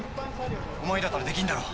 「お前にだったらできんだろ」。